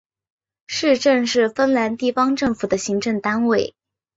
市镇是芬兰地方政府的行政单位。